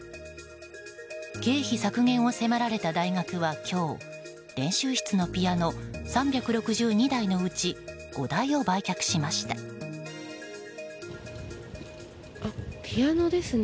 経費削減を迫られた大学は今日練習室のピアノ３６２台のうちピアノですね。